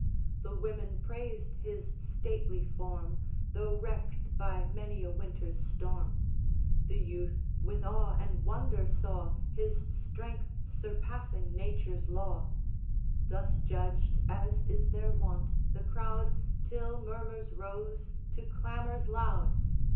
The women praised his stately form, Though wrecked by many a winter's storm; The youth with awe and wonder saw His strength surpassing Nature's law. Thus judged, as is their wont, the crowd Till murmurs rose to clamours loud.